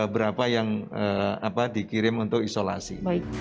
berapa yang dikirim untuk isolasi